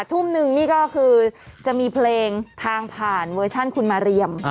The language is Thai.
ทุ่มนึงนี่ก็คือจะมีเพลงทางผ่านเวอร์ชั่นคุณมาเรียม